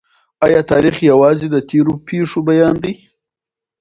آیا تاریخ یوازي د تېرو پېښو بیان دی؟